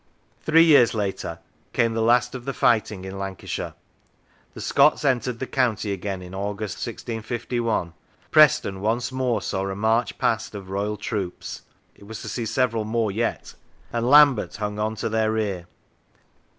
Three years later came the last of the righting in Lancashire. The Scots entered the county again in August, 1851. Preston once more saw a march past of Royal troops (it was to see several more yet), and Lambert hung on their rear.